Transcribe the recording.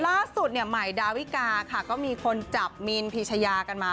ล่าสุดเนี่ยใหม่ดาวิกาค่ะก็มีคนจับมีนพีชยากันมา